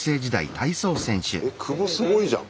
えっクボすごいじゃん。